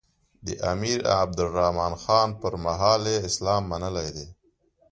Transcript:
د امیر عبدالرحمان خان پر مهال یې اسلام منلی دی.